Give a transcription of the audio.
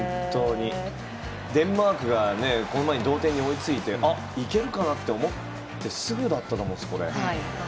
デンマークがこの前に同点に追いついて行けるかなと思ってすぐだったと思います、これ。